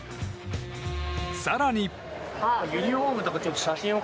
更に。